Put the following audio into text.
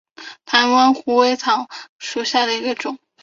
台湾虎尾草为禾本科虎尾草下的一个种。